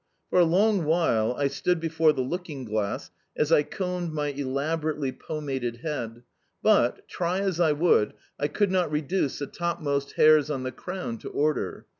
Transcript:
For a long while I stood before the looking glass as I combed my elaborately pomaded head, but, try as I would, I could not reduce the topmost hairs on the crown to order.